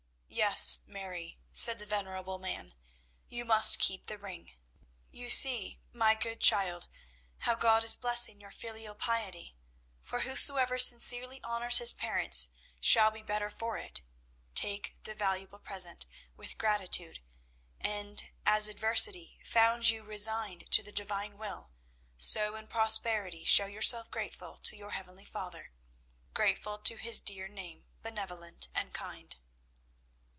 "Yes, Mary," said the venerable man, "you must keep the ring. You see, my good child, how God is blessing your filial piety; for whosoever sincerely honours his parents shall be better for it. Take the valuable present with gratitude, and as adversity found you resigned to the Divine will, so in prosperity show yourself grateful to your heavenly Father grateful to His dear name, benevolent and kind."